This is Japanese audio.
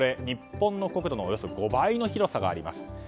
日本の国土のおよそ５倍の広さがあります。